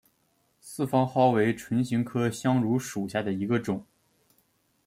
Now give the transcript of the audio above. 四方蒿为唇形科香薷属下的一个种。